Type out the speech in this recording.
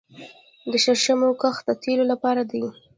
د شرشمو کښت د تیلو لپاره دی